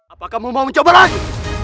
apa kamu mau mencoba lagi